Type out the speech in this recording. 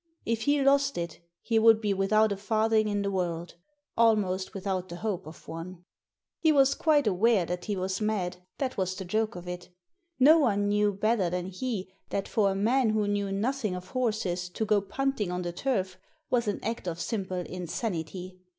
If he lost it he would be without a farthing in the world, almost without the hope of one. He was quite aware that he was mad, that was the joke of it No one knew better than he that for a Digitized by VjOOQIC THE TIPSTER 131 man who knew nothing of horses to go punting on the turf was an act of simple insanity.